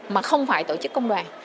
mà không phải tổ chức công đoàn